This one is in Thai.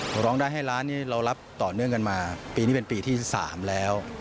ร้องได้ให้ร้านนี้เรารับต่อเนื่องกันมาปีนี้เป็นปีที่๓แล้ว